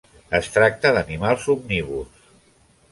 Es tracta d'animals omnívors.